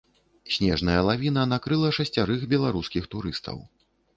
Снежная лавіна накрыла шасцярых беларускіх турыстаў.